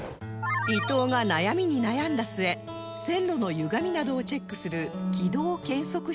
伊藤が悩みに悩んだ末線路のゆがみなどをチェックする軌道検測室に決定